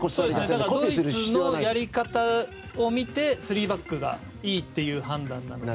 ドイツのやり方を見て３バックがいいという判断なので。